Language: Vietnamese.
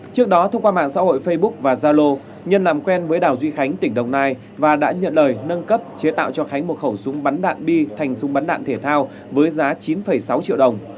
trước đó thông qua mạng xã hội facebook và zalo nhân làm quen với đào duy khánh tỉnh đồng nai và đã nhận lời nâng cấp chế tạo cho khánh một khẩu súng bắn đạn bi thành súng bắn đạn thể thao với giá chín sáu triệu đồng